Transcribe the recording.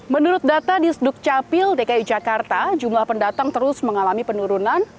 menurut data di sdukcapil dki jakarta jumlah pendatang terus mengalami penurunan